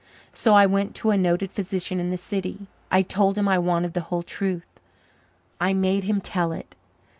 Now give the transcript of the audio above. So I went to a noted physician in the city. I told him I wanted the whole truth I made him tell it.